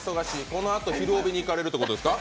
このあと、「ひるおび」に行かれるってことですか？